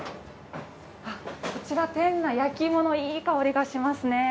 こちら店内、焼き芋のいい香りがしますね。